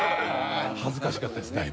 恥ずかしかったです